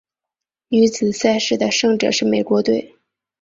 女子赛事的胜者是美国队。